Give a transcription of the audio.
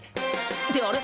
ってあれ？